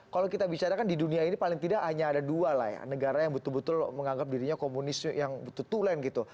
kalau kita bicara kan di dunia ini paling tidak hanya ada dua lah ya negara yang betul betul menganggap dirinya komunis yang betul tulen gitu